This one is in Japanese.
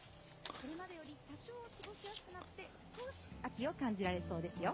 これまでより多少、過ごしやすくなって少し秋を感じられそうですよ。